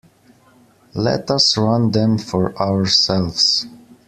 Let us run them for ourselves.